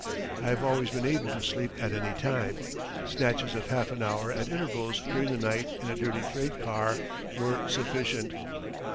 I have always been able to sleep at any time. Snatches of half an hour at intervals during the night in a dirty freight car were sufficient.